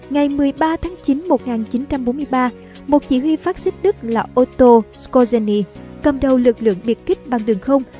ngày một mươi ba tháng chín một nghìn chín trăm bốn mươi ba một chỉ huy fascist đức là otto skorzeny cầm đầu lực lượng biệt kích băng đường không